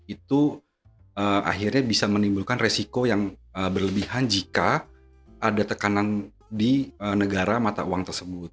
itu akhirnya bisa menimbulkan resiko yang berlebihan jika ada tekanan di negara mata uang tersebut